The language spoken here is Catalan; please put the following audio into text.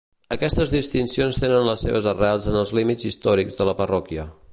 Aquestes distincions tenen les seves arrels en els límits històrics de la parròquia.